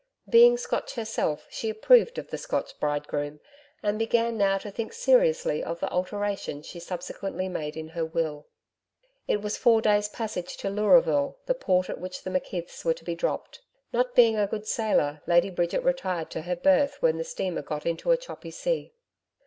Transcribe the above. Being Scotch herself she approved of the Scotch bridegroom, and began now to think seriously of the alteration she subsequently made in her will. It was a four days' passage to Leuraville the port at which the McKeith's were to be dropped. Not being a good sailor Lady Bridget retired to her berth when the steamer got into a choppy sea.